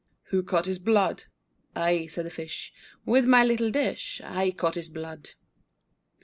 Who caught his blood? I, said the Fish, With my little dish. I caught his blood.